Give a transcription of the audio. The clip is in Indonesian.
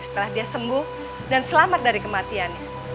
setelah dia sembuh dan selamat dari kematiannya